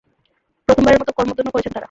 প্রথমবারের মতো করমর্দনও করেছেন তাঁরা।